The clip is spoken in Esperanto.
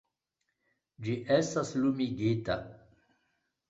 Ĝi estas lumigita...